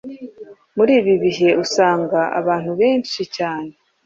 Muri ibi bihe usanga abantu benshi cyane